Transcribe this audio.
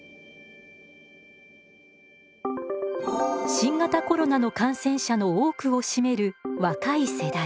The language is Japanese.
新型コロナの感染者の多くを占める若い世代。